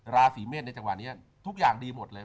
ราศีเมษในจังหวะนี้ทุกอย่างดีหมดเลย